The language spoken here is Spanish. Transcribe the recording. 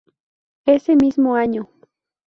Ese mismo año.